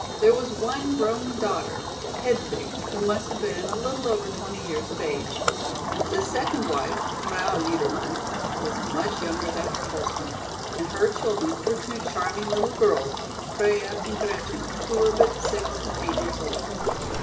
There was one grown daughter, Hedwig, who must have been a little over twenty years of age. The second wife, Frau Liedermann, was much younger than her husband, and her children were two charming little girls, Freia and Gretchen, who were but six and eight years old.